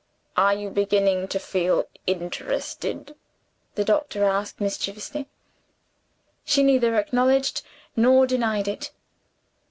"Are you beginning to feel interested?" the doctor asked mischievously. She neither acknowledged nor denied it.